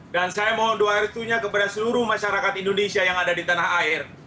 dan saya mohon doa retunya kepada seluruh masyarakat indonesia yang ada di tanah air